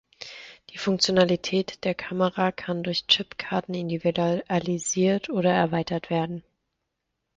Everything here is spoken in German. Die Funktionalität der Kamera kann durch Chipkarten individualisiert oder erweitert werden.